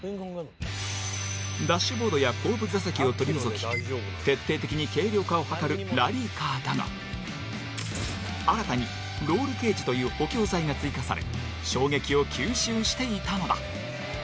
ダッシュボードや後部座席を取り除き徹底的に軽量化を図るラリーカーだが新たに、ロールケージという補強材が追加され衝撃を吸収していたのだ。